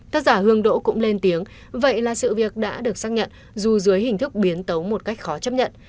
tác giả hương đỗ cũng lên tiếng vậy là sự việc đã được xác nhận dù dưới hình thức biến tấu một cách khó chấp nhận